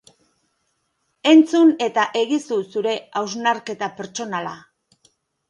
Entzun eta egizu zure hausnarketa pertsonala!